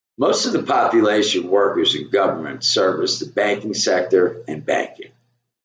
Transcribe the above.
Most of the population works in government service, the private sector, and banking.